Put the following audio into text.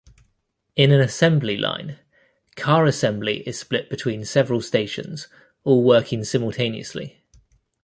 In an assembly line, car assembly is split between several stations, all working simultaneously.